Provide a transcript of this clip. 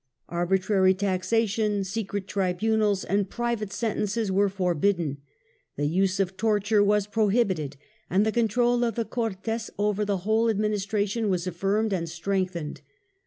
Arbi 244 THE END OF THE MIDDLE AGE trary taxation, secret tribunals and private sentences were forbidden, the use of torture was prohibited, and the control of the Cortes over the whole administration was affirmed and strengthened.